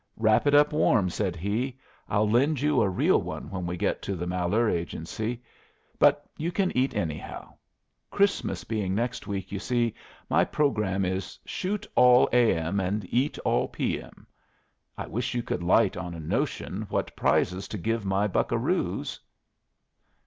"Wrap it up warm," said he. "I'll lend you a real one when we get to the Malheur Agency. But you can eat, anyhow. Christmas being next week, you see, my programme is, shoot all A.M. and eat all P.M. I wish you could light on a notion what prizes to give my buccaroos."